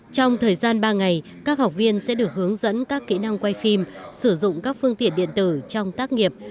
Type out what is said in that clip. trong thời gian ba ngày các học viên sẽ được hướng dẫn các kỹ năng quay phim sử dụng các phương tiện điện tử trong tác nghiệp